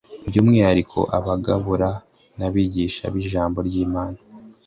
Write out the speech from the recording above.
byumwihariko abagabura nabigisha bIjambo ryImana